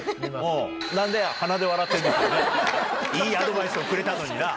いいアドバイスをくれたのになぁ。